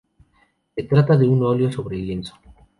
Se trata de un óleo sobre lienzo.